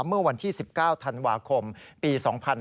เมื่อวันที่๑๙ธันวาคมปี๒๕๕๙